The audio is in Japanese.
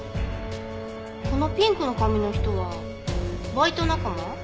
このピンクの髪の人はバイト仲間？